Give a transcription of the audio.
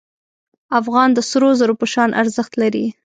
افغان د سرو زرو په شان ارزښت لري.